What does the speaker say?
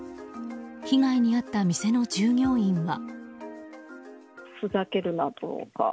被害に遭った店の従業員は。